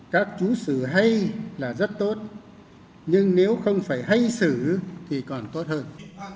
các chú xử hay là rất tốt nhưng nếu không phải hay xử thì còn tốt hơn